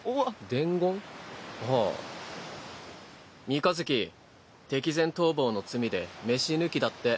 三日月敵前逃亡の罪で飯抜きだって。